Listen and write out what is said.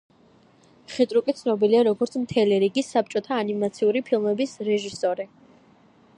ხიტრუკი ცნობილია, როგორც მთელი რიგი საბჭოთა ანიმაციური ფილმების რეჟისორი.